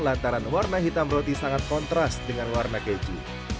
lantaran warna hitam roti sangat kontras dengan warna keju